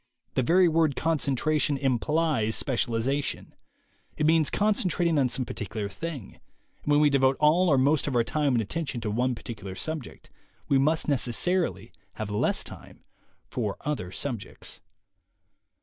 The very word concentration implies specialization; it means con centrating on some particular thing, and when we devote all or most of our time and attention to one particular subject, we must necessarily have less time for other subjects.